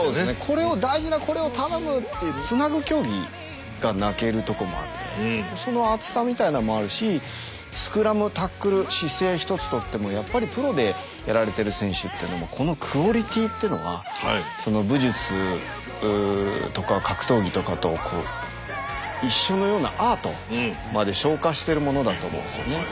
これを大事なこれを頼むっていうつなぐ競技が泣けるとこもあってそのアツさみたいなのもあるしスクラムタックル姿勢一つとってもやっぱりプロでやられてる選手ってのもこのクオリティーっていうのは武術とか格闘技とかと一緒のようなアートまで昇華してるものだと思うんですよね。